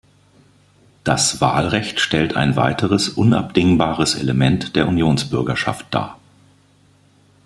Das Wahlrecht stellt ein weiteres unabdingbares Element der Unionsbürgerschaft dar.